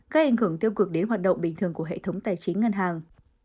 gây ảnh hưởng tiêu cực đến hoạt động bình thường của hệ thống tài chính ngân hàng